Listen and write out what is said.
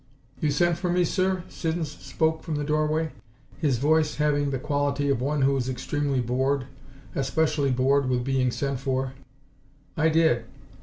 "You sent for me, sir?" Siddons spoke from the doorway, his voice having the quality of one who is extremely bored especially bored with being sent for. "I did."